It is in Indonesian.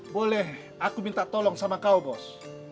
boleh aku minta tolong sama kau bos